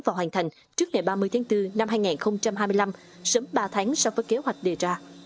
hạng một đường cất hạ cánh đã đưa dự án và hoàn thành trước ngày ba mươi tháng bốn năm hai nghìn hai mươi năm sớm ba tháng so với kế hoạch đề ra